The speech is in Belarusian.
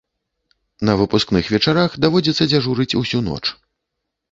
На выпускных вечарах даводзіцца дзяжурыць усю ноч.